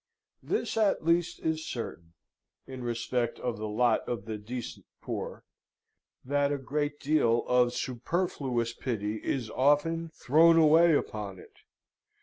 This at least is certain, in respect of the lot of the decent poor, that a great deal of superfluous pity is often thrown away upon it.